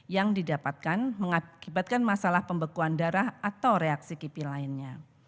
yang didapatkan mengakibatkan masalah pembekuan darah atau reaksi kipi lainnya